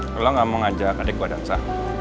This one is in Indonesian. kalau gak mau ngajak adik gue dansa